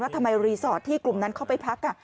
ทำไมรีสอร์ทที่กลุ่มนั้นเข้าไปพัก